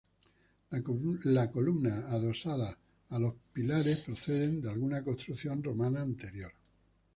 Las columnas adosadas a los pilares proceden de alguna construcción romana anterior.